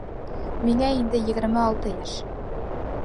Миңә инде егерме алты йәш.